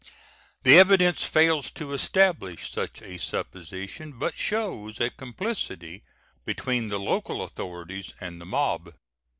The evidence fails to establish such a supposition, but shows a complicity between the local authorities and the mob.